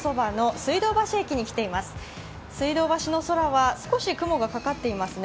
水道橋の空は少し雲がかかっていますね。